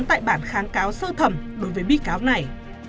tại bản kháng cáo sơ thẩm đối với bị cáo này